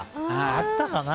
あったかな？